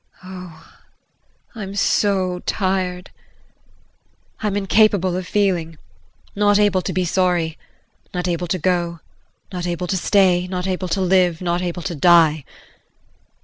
Oh, I'm so tired I'm incapable of feeling, not able to be sorry, not able to go, not able to stay, not able to live not able to die.